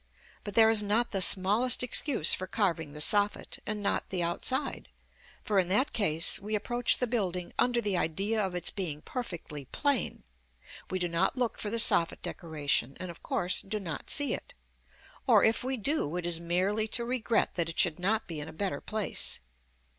But there is not the smallest excuse for carving the soffit, and not the outside; for, in that case, we approach the building under the idea of its being perfectly plain; we do not look for the soffit decoration, and, of course, do not see it: or, if we do, it is merely to regret that it should not be in a better place.